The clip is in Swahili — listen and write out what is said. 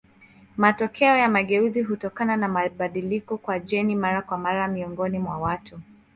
Matokeo ya mageuzi hutokana na mabadiliko kwa jeni mara kwa mara miongoni mwa watu.